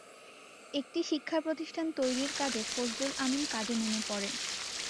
একটি শিক্ষা প্রতিষ্ঠান তৈরির কাজে ফজলুল আমিন কাজে নেমে পড়েন।